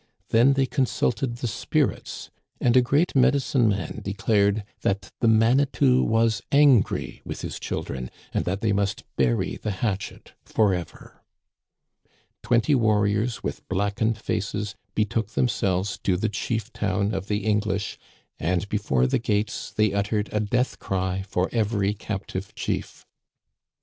Then they consulted the spirits, and a great medicine man decided that the Manitou was angry with his children, and that they must bury the hatchet forever. Twenty warriors with blacl^ened faces Digitized by VjOOQIC A NIGHT AMONG THE SAVAGES, i8g betook themselves to the chief town of the English, and before the gates they uttered a death cry for every cap tive chief.